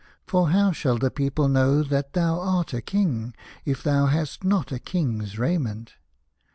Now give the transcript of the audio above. For how shall the people know that thou art a king, if thou hast not a king's raiment